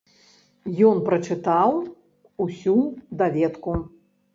Ён прачытаў усю даведку.